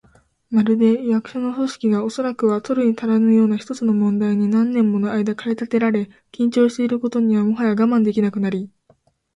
まるで、役所の組織が、おそらくは取るにたらぬような一つの問題に何年ものあいだ駆り立てられ、緊張していることにもはや我慢できなくなり、